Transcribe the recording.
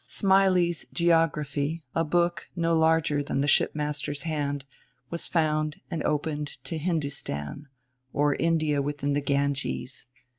Smiley's Geography, a book no larger than the shipmaster's hand, was found and opened to Hindoostan, or India within the Ganges.